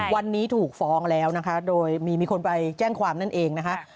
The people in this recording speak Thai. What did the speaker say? วันนี้ถูกฟ้องแล้วนะคะโดยมีคนไปแจ้งความนั่นเองนะคะ